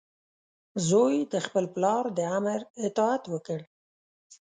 زوی د خپل پلار د امر اطاعت وکړ.